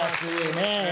ねえ。